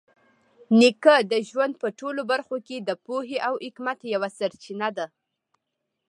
نیکه د ژوند په ټولو برخو کې د پوهې او حکمت یوه سرچینه ده.